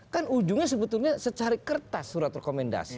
kan ujungnya sebetulnya secari kertas surat rekomendasi